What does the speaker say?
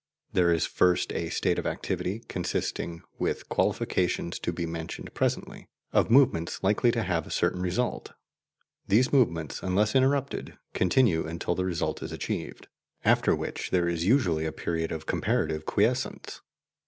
There is first a state of activity, consisting, with qualifications to be mentioned presently, of movements likely to have a certain result; these movements, unless interrupted, continue until the result is achieved, after which there is usually a period of comparative quiescence.